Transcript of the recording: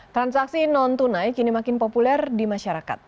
transaksi non tunai kini makin populer di masyarakat